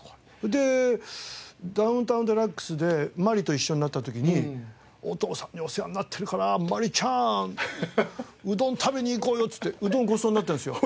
で『ダウンタウンＤＸ』で麻里と一緒になった時にお父さんにお世話になってるから麻里ちゃんうどん食べに行こうよってうどんごちそうになってるんですよ。